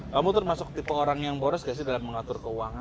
kamu termasuk tipe orang yang boros gak sih dalam mengatur keuangan